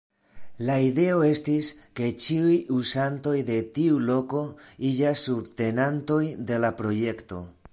La ideo estis ke ĉiuj uzantoj de tiu loko iĝas subtenantoj de la projekto.